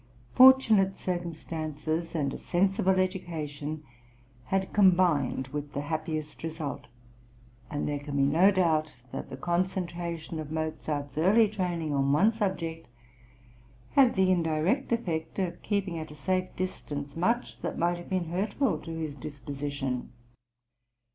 Fortunate circumstances and a sensible education had combined with the happiest result; and there can be no doubt that the concentration of Mozart's early training on one object had the indirect effect of keeping at a safe distance much that might have been hurtful to his disposition.